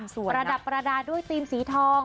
ประดับประดาษด้วยธีมสีทอง